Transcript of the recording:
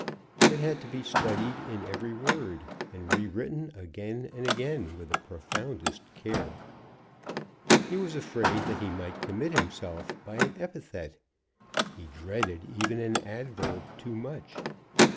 It had to be studied in every word, and re written again and again with the profoundest care. He was afraid that he might commit himself by an epithet. He dreaded even an adverb too much.